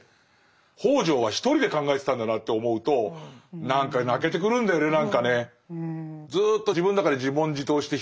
北條は一人で考えてたんだなって思うと何か泣けてくるんだよね何かね。